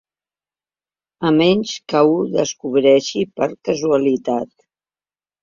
A menys que ho descobreixi per casualitat.